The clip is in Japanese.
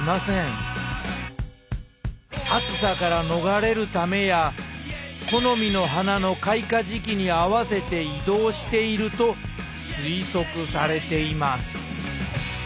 暑さから逃れるためや好みの花の開花時期に合わせて移動していると推測されています